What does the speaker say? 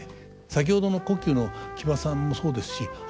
先ほどの胡弓の木場さんもそうですしそうですね。